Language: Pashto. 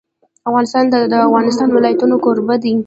افغانستان د د افغانستان ولايتونه کوربه دی.